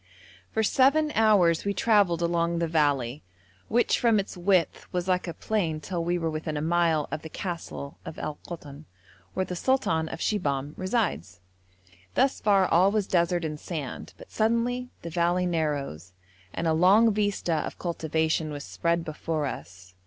For seven hours we travelled along the valley, which from its width was like a plain till we were within a mile of the castle of Al Koton, where the sultan of Shibahm resides. Thus far all was desert and sand, but suddenly the valley narrows, and a long vista of cultivation was spread before us.